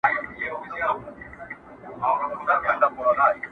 زنده باد سې اورېدلای،